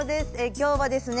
今日はですね